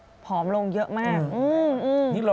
จริงเนอะนี่แหละคนนี้